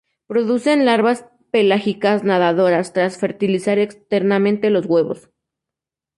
Producen larvas pelágicas nadadoras, tras fertilizar externamente los huevos.